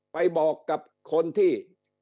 ไปบอกกับคนที่